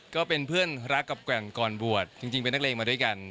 ก็เป็นเพื่อนรักกับแกว่งก่อนบวชจริงเป็นนักเลงมาด้วยกัน